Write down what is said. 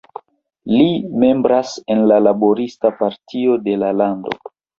Li membras en la "Laborista Partio" de la lando.